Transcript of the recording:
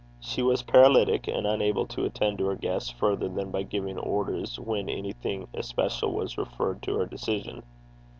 She was paralytic, and unable to attend to her guests further than by giving orders when anything especial was referred to her decision.